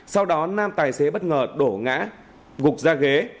sau đó nam tài xế bất ngờ đổ ngã gục ra ghế